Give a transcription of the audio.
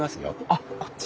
あっこっち？